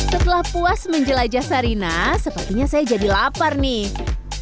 setelah puas menjelajah sarina sepertinya saya jadi lapar nih